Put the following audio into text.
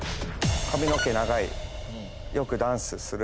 髪の毛長いよくダンスする。